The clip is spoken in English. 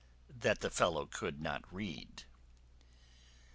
that the fellow could not read.